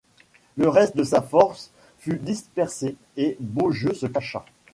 Le reste de sa force fut dispersé et Beaujeu se cacha.